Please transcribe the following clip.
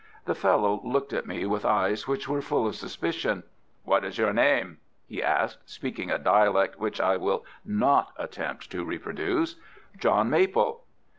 The fellow looked at me with eyes which were full of suspicion. "What is your name?" he asked, speaking a dialect which I will not attempt to reproduce. "John Maple."